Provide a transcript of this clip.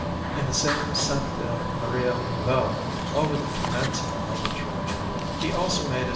In the same S. Maria Novella, over the tramezzo of the church, he also made a S.